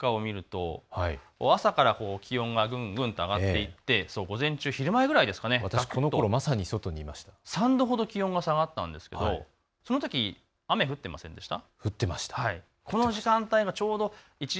東京の気温の変化を見ると朝から、気温がぐんぐんと上がっていって午前中、昼前ぐらい、３度ほど気温が下がったんですけれども、そのとき雨、降ってませんでしたか。